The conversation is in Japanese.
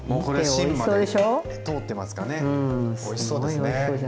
おいしそうですね。